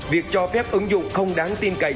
việc cho phép ứng dụng không đáng tin cậy